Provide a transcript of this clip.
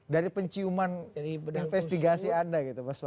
dari penciuman investigasi anda gitu mas wali